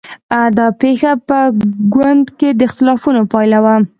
دا پېښه په ګوند کې د اختلافونو پایله وه.